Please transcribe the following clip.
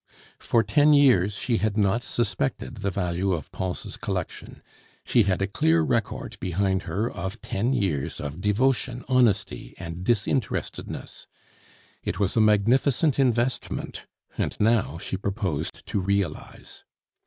For ten years she had not suspected the value of Pons' collection; she had a clear record behind her of ten years of devotion, honesty, and disinterestedness; it was a magnificent investment, and now she proposed to realize.